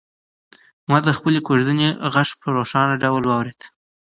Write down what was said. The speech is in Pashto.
ما د خپلې کوژدنې غږ په روښانه ډول واورېد.